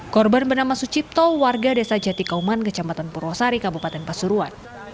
korban bernama sucipto warga desa jati kauman kecamatan purwosari kabupaten pasuruan